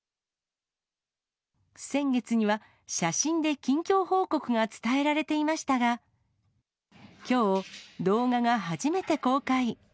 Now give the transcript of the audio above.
先月には、写真で近況報告が伝えられていましたが、きょう、動画が初めて公開。